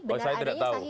benar adanya sahih adanya